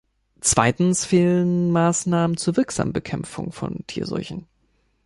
Zweitens fehlen Maßnahmen zur wirksamen Bekämpfung von Tierseuchen.